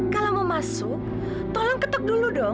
kalau mau masuk tolong ketuk dulu dong